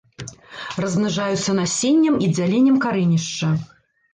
Размнажаюцца насеннем і дзяленнем карэнішча.